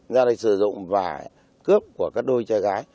ra đây sử dụng và cướp của các đôi trai gái